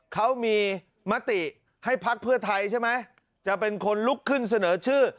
เขามีมติให้พักเพื่อไทยใช่ไหมจะเป็นคนลุกขึ้นเสนอชื่อ